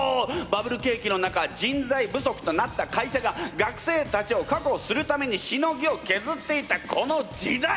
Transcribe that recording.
バブル景気の中人材不足となった会社が学生たちをかくほするためにしのぎをけずっていたこの時代！